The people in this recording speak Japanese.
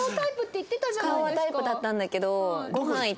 顔はタイプだったんだけど。